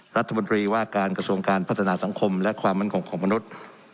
รัฐมนตรีว่าการกระทรวงการพัฒนาสังคมและความมั่นคงของมนุษย์